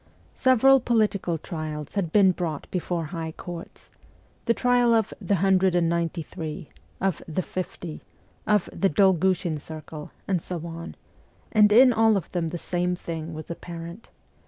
Several political trials had been brought before high courts the trial of ' the hundred and ninety three,' of ' the fifty,' of ' the Dolgushin circle,' and so on and in all of them the same thing was apparent.